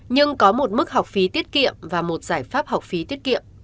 nhưng có một mức học phí tiết kiệm và một giải pháp học phí tiết kiệm